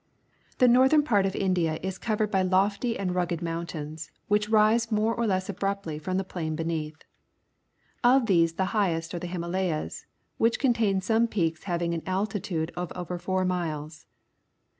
— The northern part of India is covered by lofty and rugged mountains, which rise more or less abruptly from the plain beneath. Of these the highest are the Himala3"as, which contain some peaks having an altitude of over four miles.